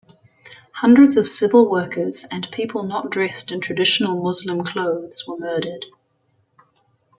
Hundreds of civil workers and people not dressed in traditional Muslim clothes were murdered.